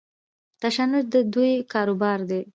تشنج د دوی کاروبار دی.